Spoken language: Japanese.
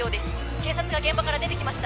警察が現場から出てきました